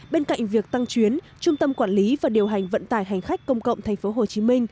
bên cạnh việc tăng chuyến trung tâm quản lý và điều hành vận tải hành khách công cộng tp hcm